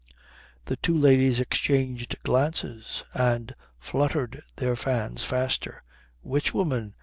The two ladies exchanged glances and fluttered their fans faster. "Which woman?"